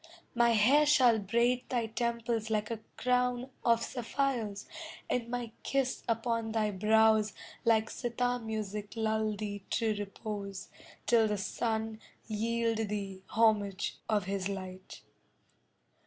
My hair shall braid thy temples like a crown Of sapphires, and my kiss upon thy brows Like cithar music lull thee to repose, Till the sun yield thee homage of his light.